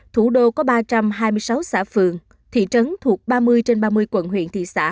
thủ đô có ba trăm hai mươi sáu xã phường thị trấn thuộc ba mươi trên ba mươi quận huyện thị xã